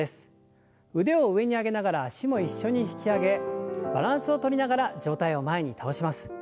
腕を上に上げながら脚も一緒に引き上げバランスをとりながら上体を前に倒します。